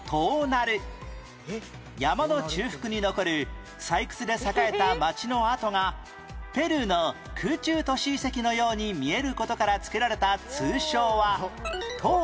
山の中腹に残る採掘で栄えた町の跡がペルーの空中都市遺跡のように見える事から付けられた通称は東洋の何？